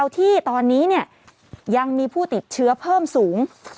ที่ตอนนี้ยังมีผู้ติดเชื้อเพิ่มสูง